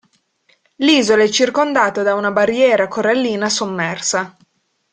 L'isola è circondata da una barriera corallina sommersa.